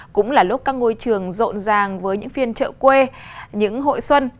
cũng là lúc các ngôi trường rộn ràng với những phiên trợ quê những hội xuân